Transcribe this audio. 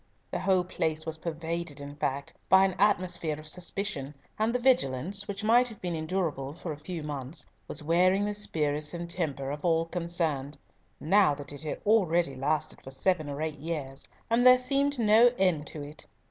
The whole place was pervaded, in fact, by an atmosphere of suspicion, and the vigilance, which might have been endurable for a few months, was wearing the spirits and temper of all concerned, now that it had already lasted for seven or eight years, and there seemed no end to it.